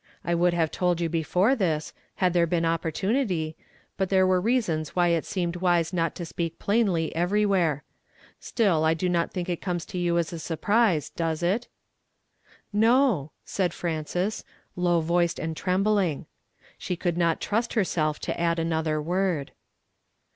I would have told you before this, had there been opportunity ; but tlu^re were reasons why it seemed wise not to speak phiinly everywhere. Still, I do not think it comes to you as a surprise, does it?" " No," said Frances, low voiced and trend>ling. She could not trust herself to add another word.